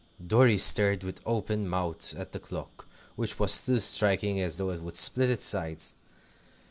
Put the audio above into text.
Dorry stared with open mouth at the clock, which was still striking as though it would split its sides.